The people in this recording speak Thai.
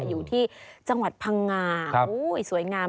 อยู่ที่จังหวัดพังงาโอ้เฮ้ยสวยงาม